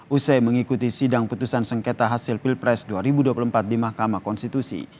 usai mengikuti sidang putusan sengketa hasil pilpres dua ribu dua puluh empat di mahkamah konstitusi